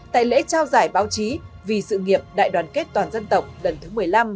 tại lễ trao giải báo chí vì sự nghiệp đại đoàn kết toàn dân tộc lần thứ một mươi năm